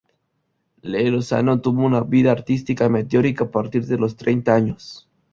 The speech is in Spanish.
Lee Lozano tuvo una vida artística meteórica, a partir de los treinta años.